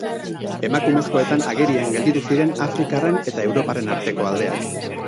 Emakumezkoetan agerian gelditu ziren afrikarren eta europarren arteko aldeak.